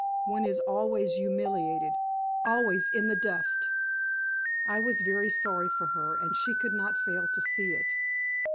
One is always humiliated, always in the dust." I was very sorry for her, and she could not fail to see it.